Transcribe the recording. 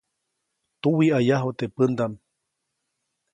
Tuwiʼayaju teʼ pändaʼm.